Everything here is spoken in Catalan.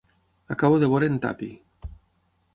Acabo de veure en Tuppy.